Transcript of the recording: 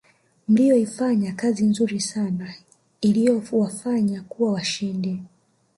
mliyoifanya kazi nzuri sana iliyowafanya kuwa washindi